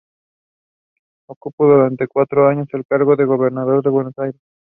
Ocupó durante cuatro años el cargo de gobernador de Buenos Aires.